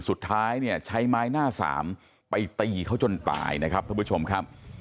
สุดท้ายเนี่ยใช้ไม้หน้าสามไปตีเขาจนตายนะครับท่านผู้ชมครับ